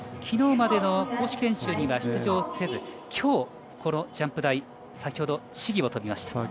きのうまでの公式練習には出場せずきょう、このジャンプ台先ほど試技を飛びました。